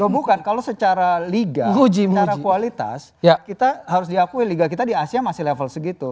bukan kalau secara liga secara kualitas kita harus diakui liga kita di asia masih level segitu